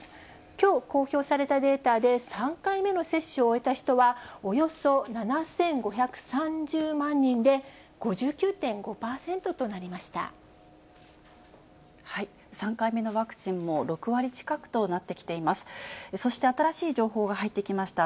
きょう公表されたデータで、３回目の接種を終えた人は、およそ７５３０万人で、５９．５％となりました。